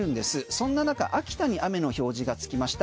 そんな中、秋田に雨の表示がつきました。